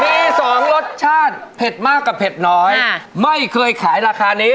มีสองรสชาติเผ็ดมากกับเผ็ดน้อยไม่เคยขายราคานี้